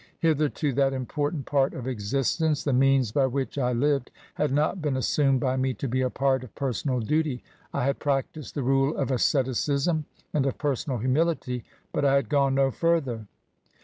Hitherto that important part of existence — ^the means by which I lived — had not been assumed by me to be a part of personal duty. I had practised the rule of asceticism and of personal humility, but I had gone no further.